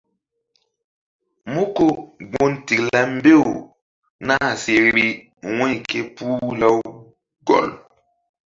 Mú ko gun tikla mbew nah si vbi wu̧y ké puh Lawgɔl.